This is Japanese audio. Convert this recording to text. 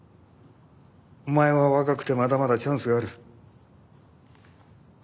お前は若くてまだまだチャンスがある。